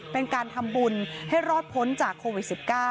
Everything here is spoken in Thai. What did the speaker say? เป็นการทำบุญให้รอดพ้นจากโควิด๑๙